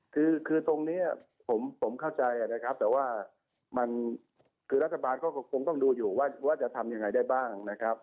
คือตรงนี้ผมเข้าใจนะครับแต่ว่ามันคือรัฐบาลก็คงต้องดูอยู่ว่าจะทำยังไงได้บ้างนะครับ